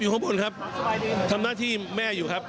ก็จะลงไปการสร้างส่วนครับ